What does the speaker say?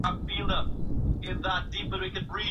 مرکزي کتابتون بې دلیله نه تړل کیږي.